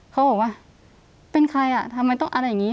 เขาบอกว่าเป็นใครอ่ะทำไมต้องอะไรอย่างนี้